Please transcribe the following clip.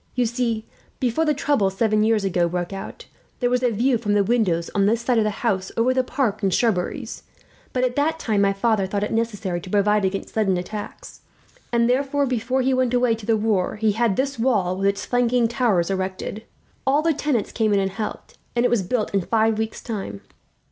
You see, before the troubles seven years ago broke out, there was a view from the windows on this side of the house over the park and shrubberies; but at that time my father thought it necessary to provide against sudden attacks, and therefore, before he went away to the war, he had this wall with its flanking towers erected. All the tenants came in and helped, and it was built in five weeks time.